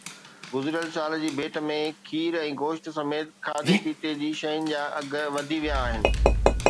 گذريل سال جي ڀيٽ ۾ کير ۽ گوشت سميت کاڌي پيتي جي شين جا اگهه وڌي ويا آهن